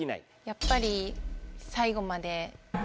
やっぱり最後まで。